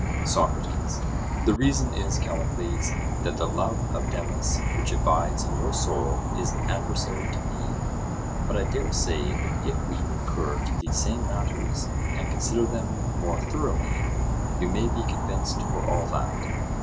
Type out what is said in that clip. SOCRATES: The reason is, Callicles, that the love of Demus which abides in your soul is an adversary to me; but I dare say that if we recur to these same matters, and consider them more thoroughly, you may be convinced for all that.